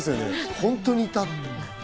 本当にいた！って。